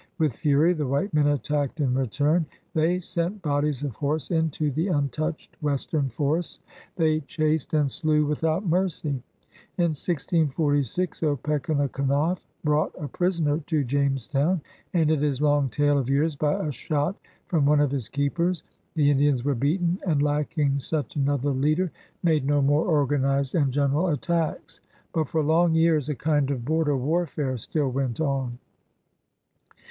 With fury the white men attacked in return. They sent bodies of horse into the un touched westan forests. They chased and slew without mercy. In 1646 Opechancanough, brought a prisoner to Jamestown, ended his long tale of years by a shot from one of his keepers. The In dians were beaten, and, lacking such another leader, made no more organized and general attacks. 140 PIONEERS OP THE OLD SOXJTH But for long years a kind of border warfare stiO went on.